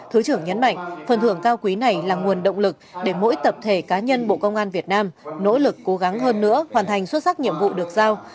thứ trưởng nhấn mạnh phần thưởng cao quý này là nguồn động lực để mỗi tập thể cá nhân bộ công an việt nam nỗ lực cố gắng hơn nữa hoàn thành xuất sắc nhiệm vụ được giao